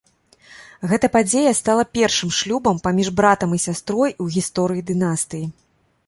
Гэта падзея стала першым шлюбам паміж братам і сястрой у гісторыі дынастыі.